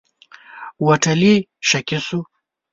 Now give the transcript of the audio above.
هوټلي شکي شو.